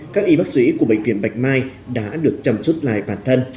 các y bác sĩ của bệnh viện bạch mai đã được chăm chút lại bản thân